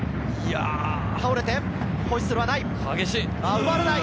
倒れて、ホイッスルはない。